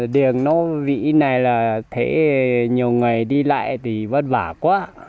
điều này là thấy nhiều người đi lại thì vất vả quá